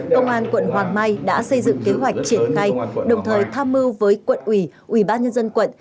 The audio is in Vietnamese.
công an quận hoàng mai đã xây dựng kế hoạch triển khai đồng thời tham mưu với quận ủy ủy ban nhân dân quận